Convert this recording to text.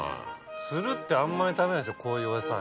ツルってあんまり食べないですよこういうお野菜の。